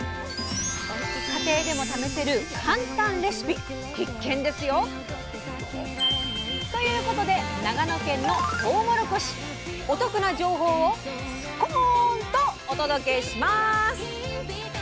家庭でも試せる簡単レシピ必見ですよ！ということで長野県のとうもろこしお得な情報を「すコーン」とお届けします。